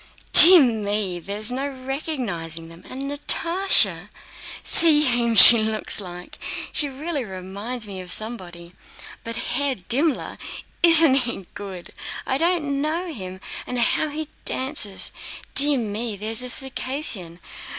"Dear me! there's no recognizing them! And Natásha! See whom she looks like! She really reminds me of somebody. But Herr Dimmler—isn't he good! I didn't know him! And how he dances. Dear me, there's a Circassian.